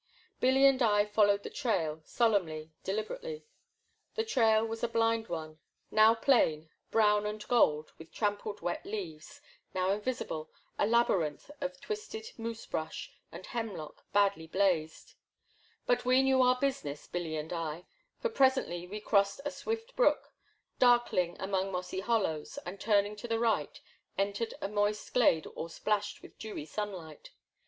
Billy and I followed the trail, solemnly, delib erately. The trail was a blind one, now plain, brown and gold with trampled wet leaves, now invisible, a labyrinth of twisted moose bush and hemlock, badly blazed. But we knew our busi ness, Billy and I, for presently we crossed a swift The Black Water, 155 brook, darkling among mossy hollows, and turn ing to the right, entered a moist glade all splashed with dewy sunlight.